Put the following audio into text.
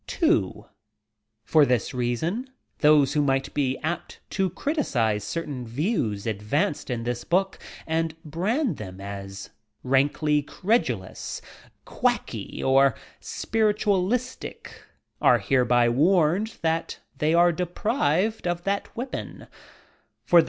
(2) For this reason, those who might be apt to criticise certain views advanced in this book, and brand them as rankjy "credulous," "quacky" or "spiritnalistie," are hereby warned that they are de prived of that weapon, for the